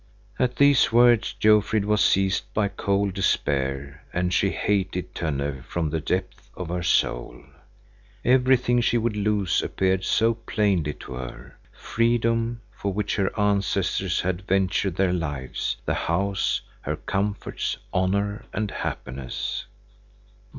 At these words Jofrid was seized by cold despair, and she hated Tönne from the depths of her soul. Everything she would lose appeared so plainly to her,—freedom, for which her ancestors had ventured their lives, the house, her comforts, honor and happiness.